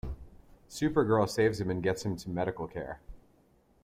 Supergirl saves him and gets him to medical care.